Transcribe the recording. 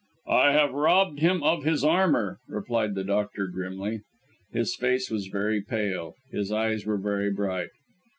"I have robbed him of his armour," replied the doctor, grimly. His face was very pale, his eyes were very bright.